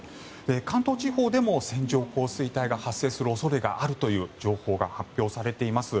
関東地方でも線状降水帯が発生する恐れがあるという情報が発表されております。